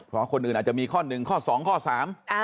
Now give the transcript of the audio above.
เพราะคนอื่นอาจจะมีข้อหนึ่งข้อสองข้อสาม